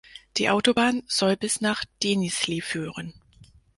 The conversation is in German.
Die Autobahn soll bis nach Denizli führen.